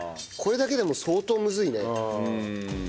これだけでも相当むずいね。